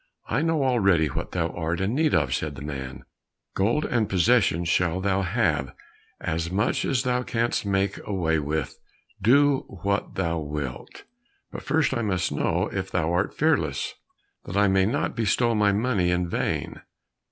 "I know already what thou art in need of," said the man; "gold and possessions shall thou have, as much as thou canst make away with do what thou wilt, but first I must know if thou art fearless, that I may not bestow my money in vain."